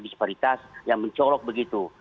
disparitas yang mencolok begitu